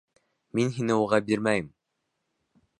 Мин һине уға бирмәйем!